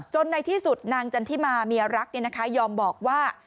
ในที่สุดนางจันทิมาเมียรักยอมบอกว่า